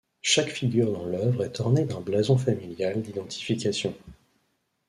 Chaque figure dans l’œuvre est orné d'un blason familial d'identification.